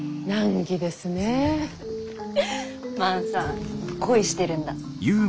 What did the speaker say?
フッ万さん恋してるんだ？